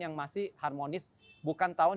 yang masih harmonis bukan tahun